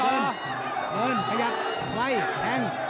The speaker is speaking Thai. เบิร์นขยับไวแทง